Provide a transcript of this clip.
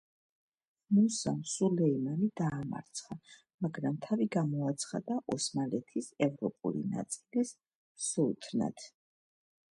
მუსამ სულეიმანი დაამარცხა, მაგრამ თავი გამოაცხადა ოსმალეთის ევროპული ნაწილის სულთნად.